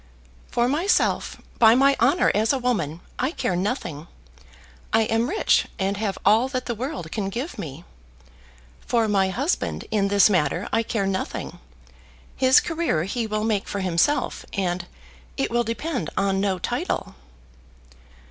"For myself, by my honour as a woman, I care nothing. I am rich and have all that the world can give me. For my husband, in this matter, I care nothing. His career he will make for himself, and it will depend on no title."